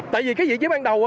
tại vì cái vị trí ban đầu